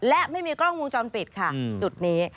และไม่มีกล้องวงจรปิดค่ะจุดนี้